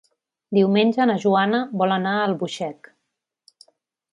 Diumenge na Joana vol anar a Albuixec.